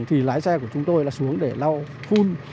thì lái xe của chúng tôi là xuống để lau phun